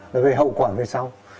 rồi về hậu quả về sau